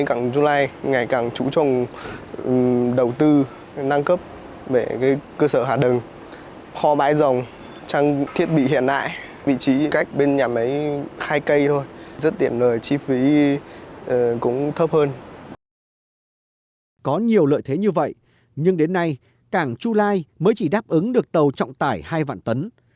có nhiều lợi thế như vậy nhưng đến nay cảng chu lai mới chỉ đáp ứng được tàu trọng tải hai vạn tấn